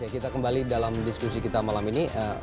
kita kembali dalam diskusi kita malam ini